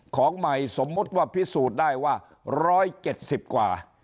ของใหม่สมมุติว่าพิสูจน์ได้ว่า๑๗๐กว่า